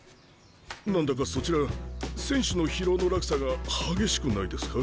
何だかそちら選手の疲労の落差が激しくないですか？